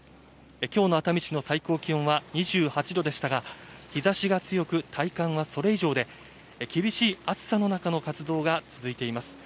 きょうの熱海市の最高気温は２８度でしたが、日ざしが強く、体感はそれ以上で、厳しい暑さの中の活動が続いています。